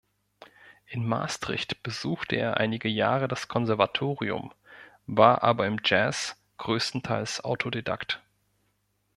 In Maastricht besuchte er einige Jahre das Konservatorium, war aber im Jazz größtenteils Autodidakt.